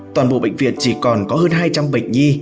toàn bộ bệnh viện chỉ còn có hơn hai trăm linh bệnh nhi